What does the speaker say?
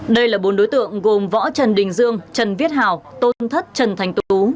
đây là bốn đối tượng gồm võ trần đình dương trần viết hào tôn thất trần thành tú